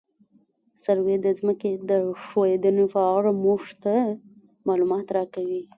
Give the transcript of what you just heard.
سروې د ځمکې د ښوېدنې په اړه موږ ته معلومات راکوي